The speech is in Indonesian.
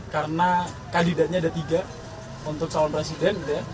karena kandidatnya ada tiga untuk calon presiden